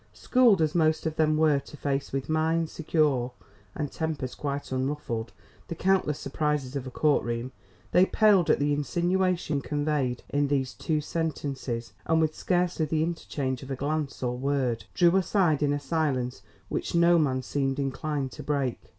Schooled as most of them were to face with minds secure and tempers quite unruffled the countless surprises of a court room, they paled at the insinuation conveyed in these two sentences, and with scarcely the interchange of glance or word, drew aside in a silence which no man seemed inclined to break.